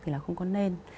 thì là không có nên